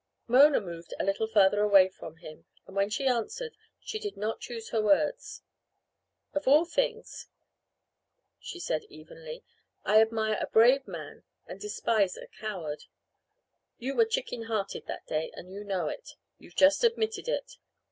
Mona moved a little farther away from him, and when she answered she did not choose her words. "Of all things," she said, evenly, "I admire a brave man and despise a coward. You were chicken hearted that day, and you know it; you've just admitted it.